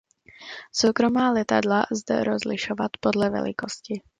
Soukromá letadla lze rozlišovat podle velikosti.